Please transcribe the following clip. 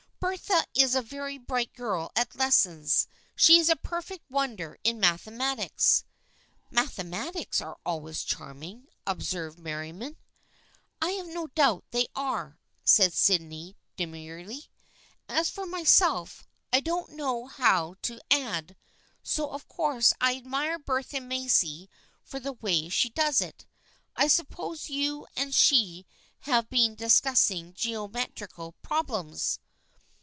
" Bertha is a very bright girl at lessons. She is a perfect wonder in mathe matics." " Mathematicians are always charming," ob served Merriam. "I have no doubt they are," said Sydney de murely. "As for myself, I don't know how to add, so of course I admire Bertha Macy for the way she does it. I suppose you and she have been discussing geometrical problems."